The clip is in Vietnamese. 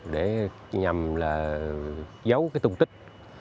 để nhằm là giấu cái tung tích